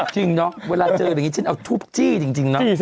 จริงเนาะเวลาเจออย่างนี้ฉันเอาทูบจี้จริงเนาะ